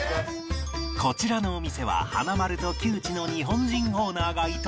こちらのお店は華丸と旧知の日本人オーナーが営み